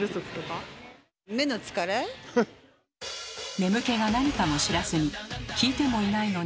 眠気がなにかも知らずに聞いてもいないのに。